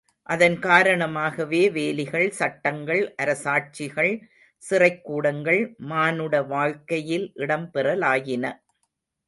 அதன் காரணமாகவே வேலிகள், சட்டங்கள், அரசாட்சிகள், சிறைக் கூடங்கள் மானுட வாழ்க்கையில் இடம் பெறலாயின.